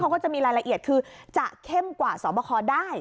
เขาก็จะมีรายละเอียดคือจะเข้มกว่าสอบคอได้